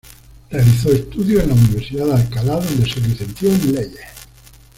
Realizó estudios en la Universidad de Alcalá, donde se licenció en Leyes.